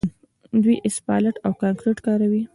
دوی اسفالټ او کانکریټ کاروي.